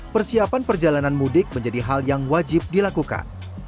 persiapan perjalanan mudik menjadi hal yang wajib dilakukan